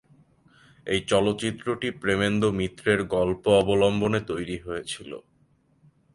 এই চলচ্চিত্রটি প্রেমেন্দ্র মিত্রের গল্প অবলম্বনে তৈরি হয়েছিল।